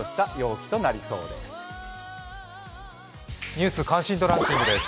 「ニュース関心度ランキング」です。